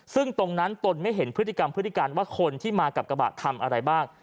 ซึ่งตรงนั้นตนไม่เห็นพฤติกรรมพฤติการว่าคนที่มากับกระบะทำอะไรบ้าง